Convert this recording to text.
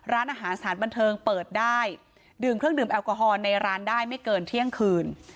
ร้านอาหารสถานบันเทิงเปิดได้ดื่มเครื่องดื่มแอลกอฮอลในร้านได้ไม่เกินเที่ยงคืน